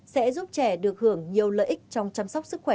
sẽ giúp trẻ được hưởng nhiều lợi ích